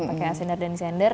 pakai asender dan sender